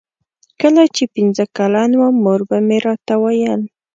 کله چې پنځه کلن وم مور به مې راته ویل.